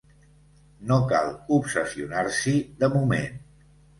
No cal obsessionar-s’hi, de moment.